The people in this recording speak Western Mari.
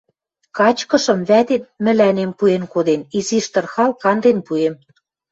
Качкышым вӓтет мӹлӓнем пуэн коден, изиш тырхал, канден пуэм...